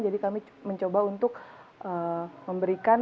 jadi kami mencoba untuk memberikan